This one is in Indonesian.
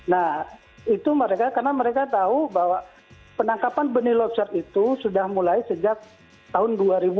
nah itu mereka karena mereka tahu bahwa penangkapan benih lobster itu sudah mulai sejak tahun dua ribu dua